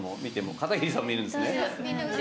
片桐さんも見るんですね。